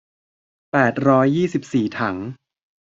แปดร้อยยี่สิบสี่ถัง